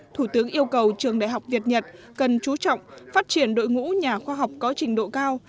thủ tướng yêu cầu trường đại học việt nhật cần chú trọng phát triển đội ngũ nhà khoa học có trình độ cao